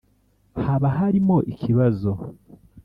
haba harimo ikibazo.